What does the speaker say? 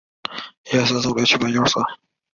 朱载境于嘉靖十八年袭封崇王。